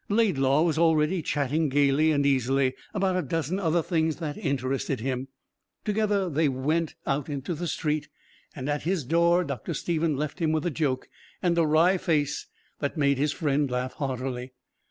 Laidlaw was already chatting gaily and easily about a dozen other things that interested him. Together they went out into the street, and at his door Dr. Stephen left him with a joke and a wry face that made his friend laugh heartily.